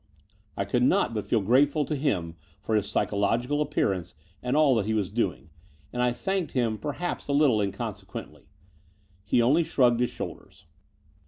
I could not but feel grateful to him for hiis psychological appearance and all that he was doing ; and I thanked him perhaps a little inconse quently. He only shrugged his shoulders.